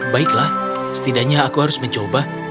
baiklah setidaknya aku harus mencoba